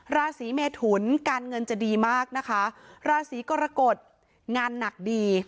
ราศีเมทุนการเงินจะดีมากนะคะราศีกรกฎงานหนักดี